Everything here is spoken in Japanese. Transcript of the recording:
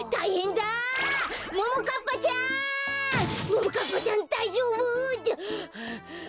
ももかっぱちゃんだいじょうぶ？はああっ？